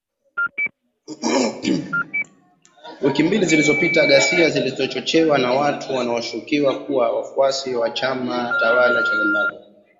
Wiki mbili zilizopita, ghasia zilizochochewa na watu wanaoshukiwa kuwa wafuasi wa chama tawala cha Zimbabwe